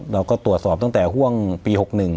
เราก็ตรวจสอบตั้งแต่ห่วงปี๖๑